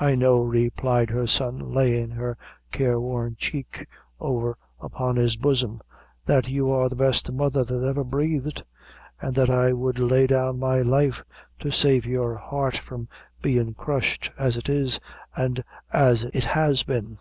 "I know," replied her son, laying her careworn cheek over upon his bosom, "that you are the best mother that ever breathed, an' that I would lay down my life to save your heart from bein' crushed, as it is, an' as it has been."